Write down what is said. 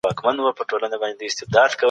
حقيقت د شواهدو تابع دی.